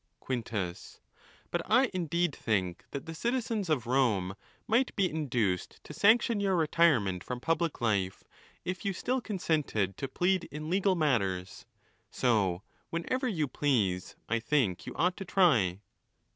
| Quintus.—But I indeed think that the citizens of Rome might be induced to sanction your retirement from public life, if you still consented to plead in legal matters. .So, whenever you please, I think you ought to try.